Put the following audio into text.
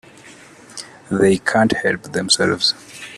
They can't help themselves.